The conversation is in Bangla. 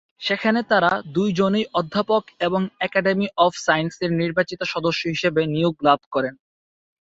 সেখানে তারা দুজনেই অধ্যাপক এবং একাডেমি অফ সায়েন্সেসের নির্বাচিত সদস্য হিসেবে নিয়োগ লাভ করেন।